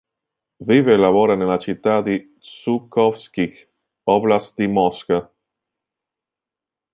Vive e lavora nella città di Žukovskij, oblast' di Mosca.